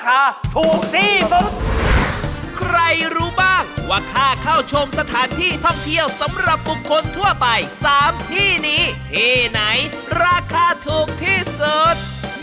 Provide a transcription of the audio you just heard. ถูกที่สุดใครรู้บ้างว่าค่าเข้าชมสถานที่ท่องเที่ยวสำหรับบุคคลทั่วไปสามที่นี้ที่ไหนราคาถูกที่สุด